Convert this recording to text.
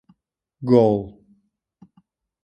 Gaul.